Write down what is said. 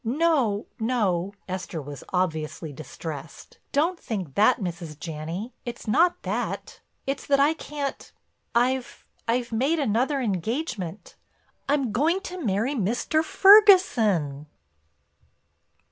"No, no"—Esther was obviously distressed—"don't think that, Mrs. Janney, it's not that. It's that I can't—I've—I've made another engagement—I'm going to marry Mr. Ferguson."